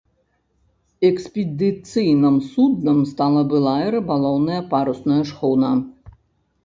Экспедыцыйным суднам стала былая рыбалоўная парусная шхуна.